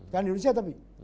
jangan di indonesia tapi